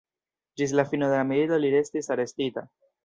Ĝis la fino de la milito li restis arestita.